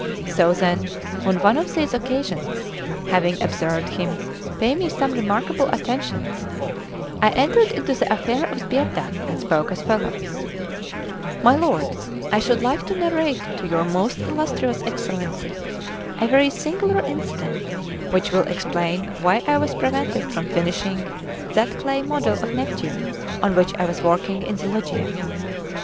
So then, on one of these occasions, having observed him pay me some remarkable attentions, I entered into the affair of Sbietta and spoke as follows: "My lord, I should like to narrate to your most illustrious Excellency a very singular incident, which will explain why I was prevented from finishing that clay model of Neptune on which I was working in the Loggia.